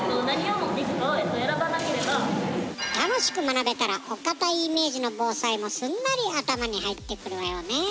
楽しく学べたらお堅いイメージの防災もすんなり頭に入ってくるわよね。